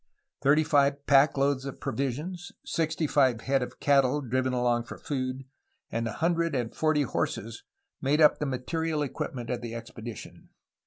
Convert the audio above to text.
Thirty five pack loads of provi sions, sixty five head of cattle driven along for food, and a hundred and forty horses made up the material equipment of the expedition.